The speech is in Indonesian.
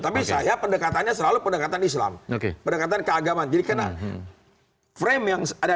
jadi saya pendekatannya selalu pendekatan islam oke berdekatan keagamaan dikenal frame yang ada